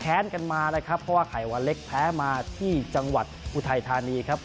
เคยแขนกันมานะครับเพราะว่าไขว้เล็กแพ้มาที่จังหวัดอุทัยธารีจริง